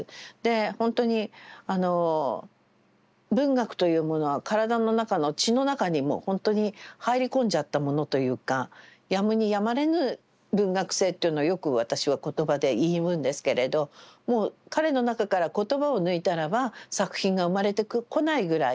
ほんとにあの文学というものは体の中の血の中にもほんとに入り込んじゃったものというかやむにやまれぬ文学性っていうのをよく私は言葉で言うんですけれどもう彼の中から言葉を抜いたらば作品が生まれてこないぐらい